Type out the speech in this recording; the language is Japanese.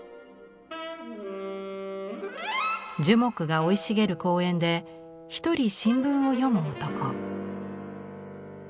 樹木が生い茂る公園で一人新聞を読む男。